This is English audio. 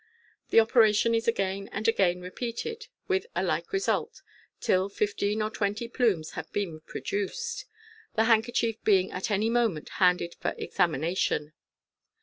The operation is again and again repeated with a like result, till fifteen or twenty plumes have been produced j the handkerchief being at any moment handed for exami nation.